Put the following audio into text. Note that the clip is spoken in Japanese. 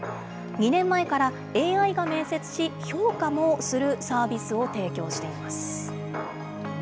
２年前からＡＩが面接し、評価もするサービスを提供しています。